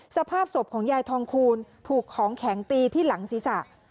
สภาพศพของยายทองคูณถูกของแข็งตีที่หลังศีรษะ